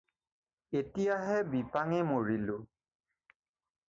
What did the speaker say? এতিয়াহে বিপাঙে মৰিলোঁ।